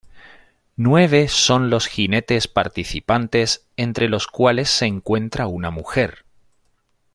Nueve son los jinetes participantes entre los cuales se encuentra una mujer.